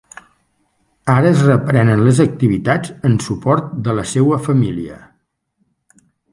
Ara es reprenen les activitats en suport de la seua família.